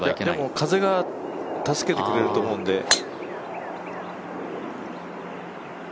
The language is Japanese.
でも風が助けてくれると思うんで。